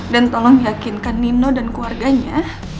dan tolong yakinkan nino dan keluarganya